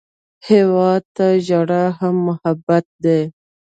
هېواد ته ژړا هم محبت دی